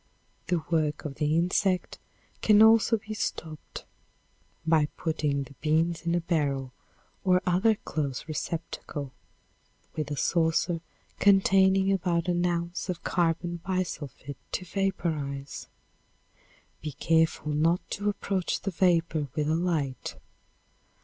The work of the insect can also be stopped by putting the beans in a barrel or other close receptacle, with a saucer containing about an ounce of carbon bi sulfid to vaporize. Be careful not to approach the vapor with a light.